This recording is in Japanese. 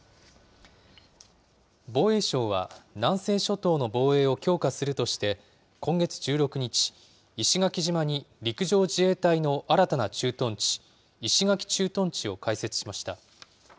防衛省は、南西諸島の防衛を強化するとして、今月１６日、石垣島に陸上自衛隊の新たな駐屯地、石垣駐屯地を開設しました。